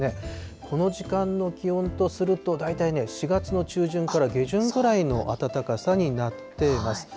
この時間の気温とすると、大体ね、４月の中旬から下旬ぐらいの暖かさになっています。